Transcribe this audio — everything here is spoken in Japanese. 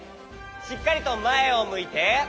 しっかりとまえをむいて。